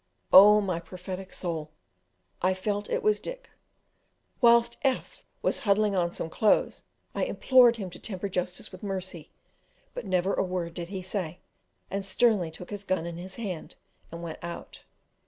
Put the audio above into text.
Oh, my prophetic soul! I felt it was Dick. Whilst F was huddling on some clothes I implored him to temper justice with mercy, but never a word did he say, and sternly took his gun in his hand and went out.